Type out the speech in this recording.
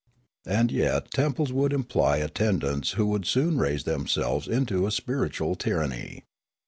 And yet temples would imply attendants who would soon raise themselves into a spiritual tyranny.